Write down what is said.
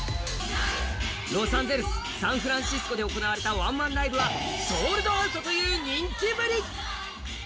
ロサンゼルス、サンフランシスコで行われたワンマンライブはソールドアウトという人気ぶり。